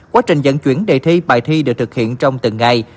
quá trình dẫn chuyển đề thi bài thi được thực hiện trong từng ngày